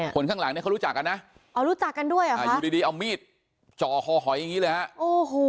คนข้างหลังเนี่ยเขารู้จักกันนะอยู่ดีเอามีดจ่อคอหอยอย่างนี้เลยฮะ